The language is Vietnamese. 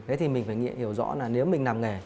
thế thì mình phải hiểu rõ là nếu mình làm nghề